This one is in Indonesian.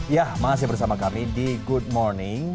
ya masih bersama kami di good morning